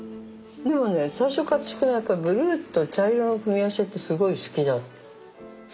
でもね最初から私これなんかブルーと茶色の組み合わせってすごい好きだったのよね。